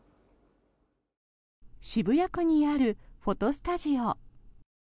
渋谷区にあるフォトスタジオ。